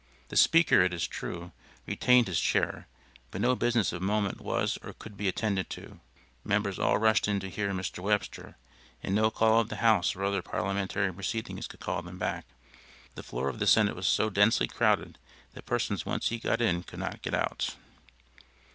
The speaker, it is true, retained his chair, but no business of moment was or could be attended to. Members all rushed in to hear Mr. Webster, and no call of the House or other parliamentary proceedings could call them back. The floor of the Senate was so densely crowded that persons once in could not get out.